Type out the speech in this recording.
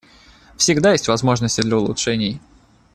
Всегда есть возможности для улучшений.